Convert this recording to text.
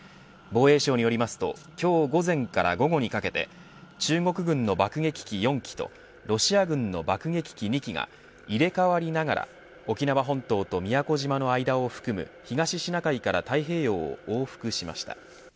防衛省によりますと今日午前から午後にかけて中国軍の爆撃機４機とロシア軍の爆撃機２機が入れ替わりながら沖縄本島と宮古島の間を含む東シナ海から太平洋を往復しました。